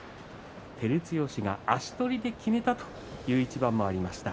照強が足取りできめたという一番がありました。